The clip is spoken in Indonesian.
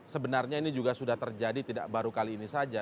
sebenarnya ini juga sudah terjadi tidak baru kali ini saja